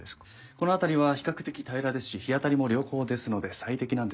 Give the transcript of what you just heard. この辺りは比較的平らですし日当たりも良好ですので最適なんです。